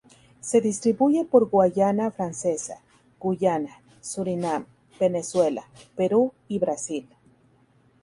Se distribuye por Guayana Francesa, Guyana, Surinam, Venezuela, Perú y Brasil.